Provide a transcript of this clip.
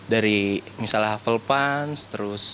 dari misalnya hufflepuff terus